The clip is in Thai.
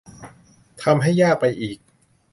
ทำให้ยากไปอีก